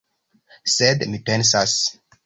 Sed mi pensas!